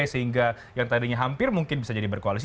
sehingga yang tadinya hampir mungkin bisa jadi berkoalisi